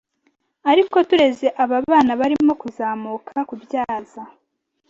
ariko tureze aba bana barimo kuzamuka kubyaza